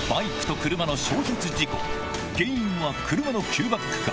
原因は車の急バックか？